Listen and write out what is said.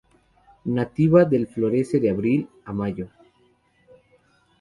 Nativa del Florece de abril a mayo.